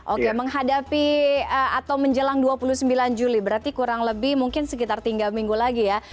oke menghadapi atau menjelang dua puluh sembilan juli berarti kurang lebih mungkin sekitar tiga minggu lagi ya